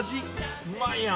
うまいやん。